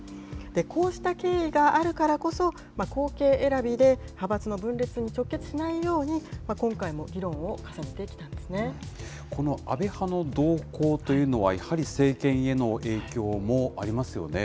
こうした経緯があるからこそ、後継選びで派閥の分裂に直結しないように、今回も議論を重ねてきこの安倍派の動向というのは、やはり政権への影響もありますよね。